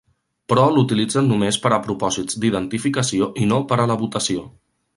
Però l'utilitzen només per a propòsits d'identificació i no per a la votació.